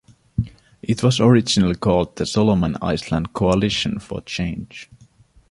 It was originally called the Solomon Islands Coalition for Change.